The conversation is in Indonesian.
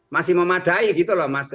masih memadai gitu mas